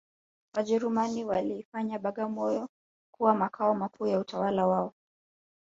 Wajerumani waliifanya bagamoyo kuwa makao makuu ya utawala wao